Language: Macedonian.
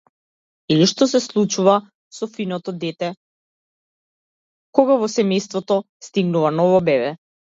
Или што се случува со финото дете кога во семејството стигнува ново бебе.